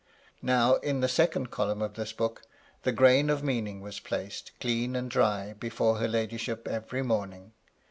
Now, in the second column of this book, the grain of meaning was placed, clean and dry, before her ladyship every morning.